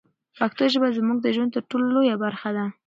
پښتو ژبه زموږ د ژوند تر ټولو لویه برخه ده.